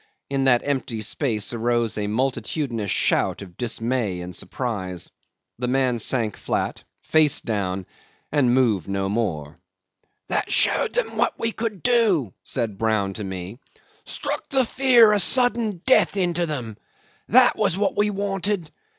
In that empty space arose a multitudinous shout of dismay and surprise. The man sank flat, face down, and moved no more. "That showed them what we could do," said Brown to me. "Struck the fear of sudden death into them. That was what we wanted.